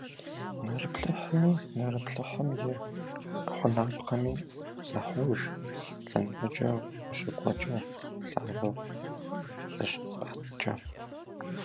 Нэрыплъыхьми, нэрыплъыхьым и гъунапкъэми захъуэж лъэныкъуэкӀэ ущыкӀуэкӀэ, лъагэу зыщыпӀэткӀэ.